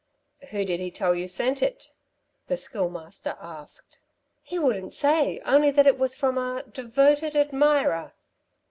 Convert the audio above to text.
"Who did he tell you sent it?" the Schoolmaster asked. "He wouldn't say only that it was from a 'devoted admirer.'"